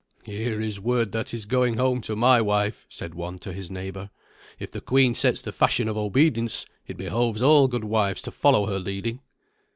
"Here is word that is going home to my wife," said one to his neighbour. "If the queen sets the fashion of obedience, it behoves all good wives to follow her leading."